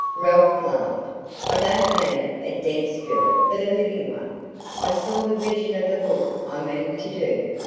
Ralph laughed. "I don't mean a dead spirit but a living one! I saw the vision of a book I mean to do.